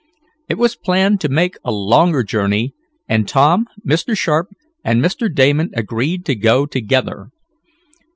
It was planned to make a longer journey, and Tom, Mr. Sharp and Mr. Damon agreed to go together.